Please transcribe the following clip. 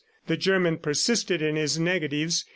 ... The German persisted in his negatives.